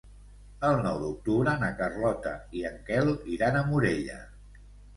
El nou d'octubre na Carlota i en Quel iran a Morella.